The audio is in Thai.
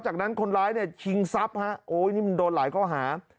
จากนั้นคนร้ายเนี่ยชิงทรัพย์ฮะโอ้ยนี่มันโดนหลายข้อหา